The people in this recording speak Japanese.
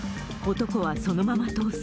男はそのまま逃走。